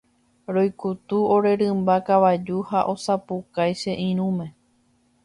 Roikutu ore rymba kavaju ha asapukái che irũme.